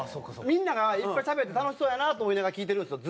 みんながいっぱいしゃべって楽しそうやなと思いながら聞いてるんですよ